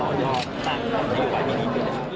เราก็จะตั้งนัยนโยบายที่นี่